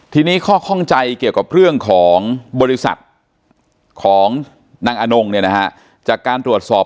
ทีนี้ข้อข้องใจเกี่ยวกับเรื่องของบริษัทของนางอนงเนี่ยนะฮะจากการตรวจสอบ